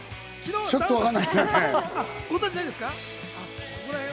ちょっとわからないですね。